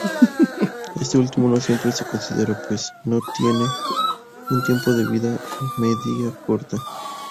Este último no siempre se considera, pues tiene un tiempo de vida media corta.